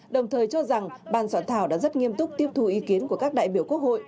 đồng thời cho rằng ban soạn thảo đã rất nghiêm túc tiếp thù ý kiến của các đại biểu quốc hội